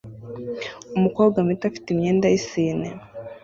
Umukobwa muto afite imyenda yisine